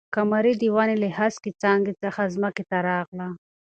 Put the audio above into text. قمري د ونې له هسکې څانګې څخه ځمکې ته راغله.